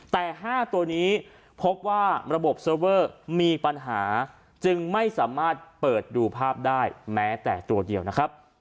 แต่๕ตัวนี้พบว่าระบบเซิร์ฟเวอร์มีปัญหาจึงไม่สามารถเปิดดูภาพได้แม้แต่ตัวเดียวนะครับ